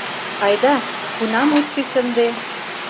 — Айда, кунам от шич ынде.